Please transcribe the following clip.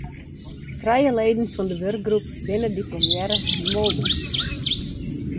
Trije leden fan de wurkgroep binne diplomearre moolder.